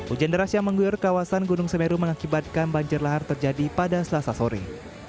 hujan deras yang mengguyur kawasan gunung semeru mengakibatkan banjir lahar terjadi pada selasa sore